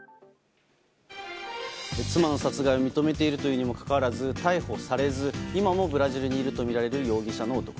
妻の殺害を認めているというにもかかわらず逮捕されず今もブラジルにいるとみられる容疑者の男。